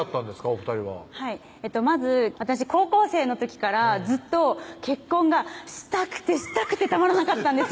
お２人はまず私高校生の時からずっと結婚がしたくてしたくてたまらなかったんですよ